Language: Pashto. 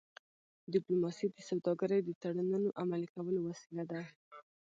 ډيپلوماسي د سوداګری د تړونونو عملي کولو وسیله ده.